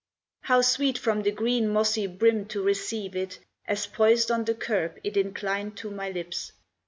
How sweet from the green mossy brim to receive it As poised on the curb it inclined to my lips!